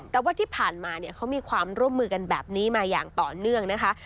แต่ว่าที่ผ่านมาเนี่ยเขามีความร่วมมือกันแบบนี้มาอย่างต่อเนื่องนะคะ